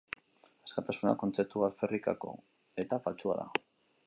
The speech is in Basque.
Askatasuna kontzeptu alferrikako eta faltsua da.